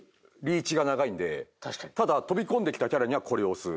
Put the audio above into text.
ただ飛び込んできたキャラにはこれを押す。